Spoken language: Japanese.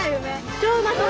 超うまそう。